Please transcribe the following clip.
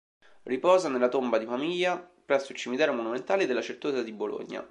Riposa nella tomba di famiglia presso il Cimitero Monumentale della Certosa di Bologna.